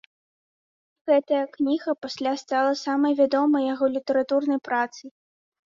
Гэтая кніга пасля стала самай вядомай яго літаратурнай працай.